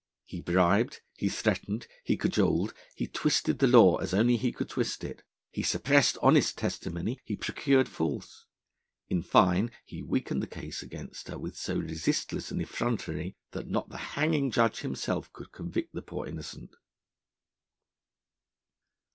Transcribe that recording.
He bribed, he threatened, he cajoled, he twisted the law as only he could twist it, he suppressed honest testimony, he procured false; in fine, he weakened the case against her with so resistless an effrontery, that not the Hanging Judge himself could convict the poor innocent.